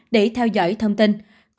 để theo dõi thông tin